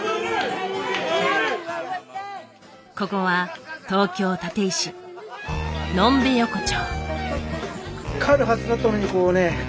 ここは東京・立石呑んべ横丁。